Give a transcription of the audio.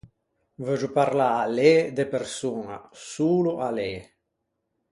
Veuggio parlâ à lê de persoña, solo à lê.